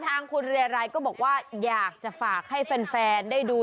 ทางคุณเรียรัยก็บอกว่าอยากจะฝากให้แฟนได้ดู